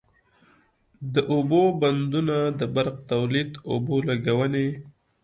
د اوبو بندونه د برق تولید، اوبو لګونی،